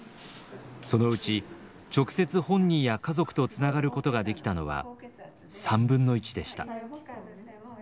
そのうち直接本人や家族とつながることができたのは３分の１でした。